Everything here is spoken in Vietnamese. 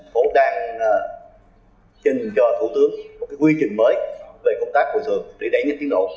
phố đang trình cho thủ tướng một quy trình mới về công tác bồi thường để đẩy nhanh tiến độ